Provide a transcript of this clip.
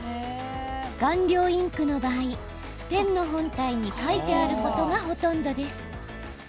顔料インクの場合、ペンの本体に書いてあることがほとんどです。